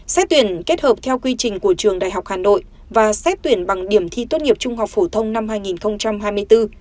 xét tuyển kết hợp theo quy trình của trường đại học hà nội và xét tuyển bằng điểm thi tốt nghiệp trung học phổ thông năm hai nghìn hai mươi bốn